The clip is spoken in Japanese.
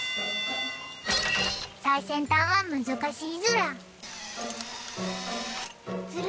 最先端は難しいズラ。